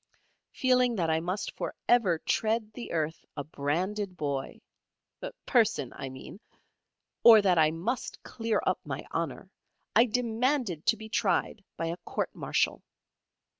Feeling that I must for ever tread the earth a branded boy person I mean or that I must clear up my honour, I demanded to be tried by a Court Martial.